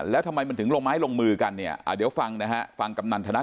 แล้วทำไมมันถึงลงไม้ลงมือกันเนี่ยเดี๋ยวฟังนะฮะฟังกำนันทนา